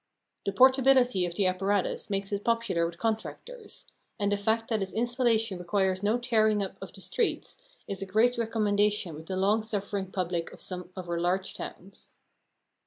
The portability of the apparatus makes it popular with contractors; and the fact that its installation requires no tearing up of the streets is a great recommendation with the long suffering public of some of our large towns.